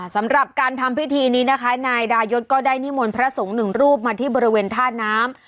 สำหรับการทำพิธีนี้นะคะนายดายศก็ได้นิมนต์พระสงฆ์หนึ่งรูปมาที่บริเวณท่าน้ำ